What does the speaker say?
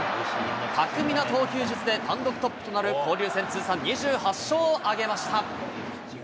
たくみな投球術で単独トップとなる交流戦通算２８勝を挙げました。